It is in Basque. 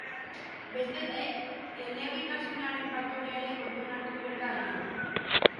Bestetik, elebitasunaren faktorea ere kontuan hartu behar da hemen.